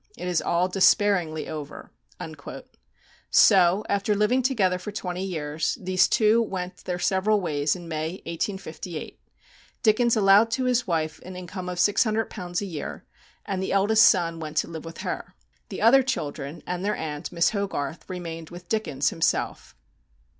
It is all despairingly over." So, after living together for twenty years, these two went their several ways in May, 1858. Dickens allowed to his wife an income of £600 a year, and the eldest son went to live with her. The other children and their aunt, Miss Hogarth, remained with Dickens himself.